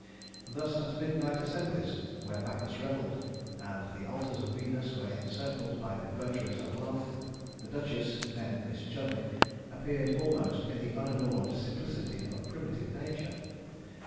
Thus, at midnight assemblies, where Bacchus revelled, and the altars of Venus were encircled by the votaries of love, the duchess, then Miss Chudleigh, appeared almost in the unadorned simplicity of primitive nature.